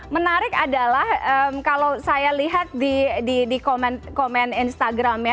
menarik adalah kalau saya lihat di komen instagram ya